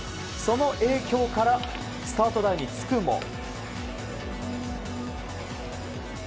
その影響からスタート台につくも。